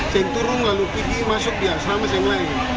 saya turun lalu pergi masuk dia selama saya melayang